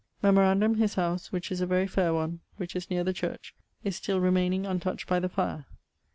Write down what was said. Memorandum his house (which is a very faire one), which is neer the church, is still remayning untoucht by the fire.